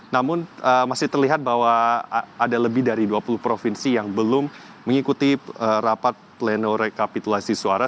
namun masih terlihat bahwa ada lebih dari dua puluh provinsi yang belum mengikuti rapat pleno rekapitulasi suara